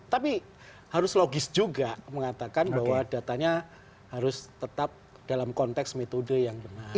tapi harus logis juga mengatakan bahwa datanya harus tetap dalam konteks metode yang benar